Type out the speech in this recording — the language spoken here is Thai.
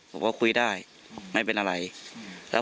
บอกว่าคุยได้เมิ่งเป็นอะไรแล้ว